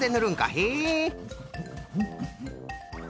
へえ。